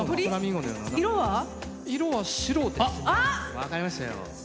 分かりましたよ。